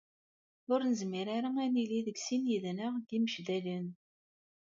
Ur nezmir ara ad nili deg sin yid-neɣ deg Imecdalen.